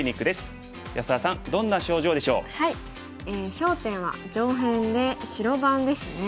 焦点は上辺で白番ですね。